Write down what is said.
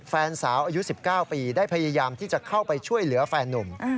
แฟนสาวอายุ๑๙ปีได้พยายามที่จะเข้าไปช่วยเหลือแฟนนุ่ม